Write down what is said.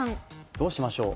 どうしましょう？